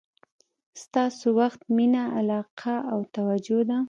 ستاسو وخت، مینه، علاقه او توجه ده.